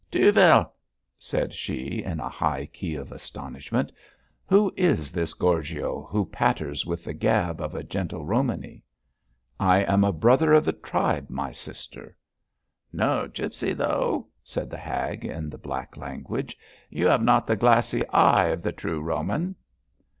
'Duvel!' said she, in a high key of astonishment, 'who is this Gorgio who patters with the gab of a gentle Romany?' 'I am a brother of the tribe, my sister.' 'No gipsy, though,' said the hag, in the black language. 'You have not the glossy eye of the true Roman.'